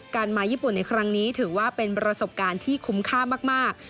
มาญี่ปุ่นในครั้งนี้ถือว่าเป็นประสบการณ์ที่คุ้มค่ามาก